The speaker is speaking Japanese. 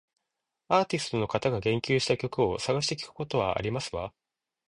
アーティストの方が言及した曲を探して聞くことはありますわ